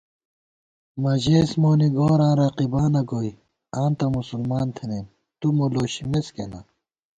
مہ ژېس مونی گوراں رقیبانہ گوئی * آں تہ مسلمان تھنَئیم تُو مو لوشِمېس کېنا